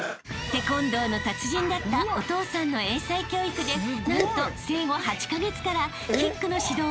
［テコンドーの達人だったお父さんの英才教育でなんと］